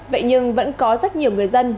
vậy nhưng vẫn có rất nhiều người dân